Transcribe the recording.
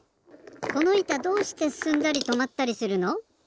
このいたどうしてすすんだりとまったりするの？